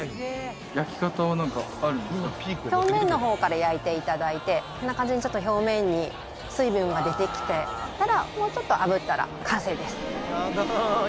表面の方から焼いて頂いてこんな感じでちょっと表面に水分が出てきたらもうちょっと炙ったら完成です。